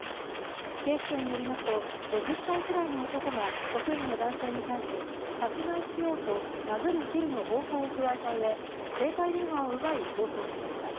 警視庁によりますと５０歳くらいの男が職員の男性に対し、殺害しようと殴る蹴るの暴行を加えたうえ、携帯電話を奪い、逃走しました。